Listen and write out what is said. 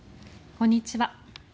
こんにちは。